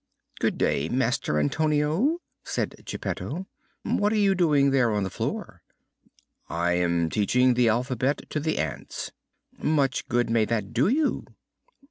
"Good day, Master Antonio," said Geppetto; "what are you doing there on the floor?" "I am teaching the alphabet to the ants." "Much good may that do you."